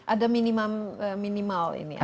ada minimum minimal ini ya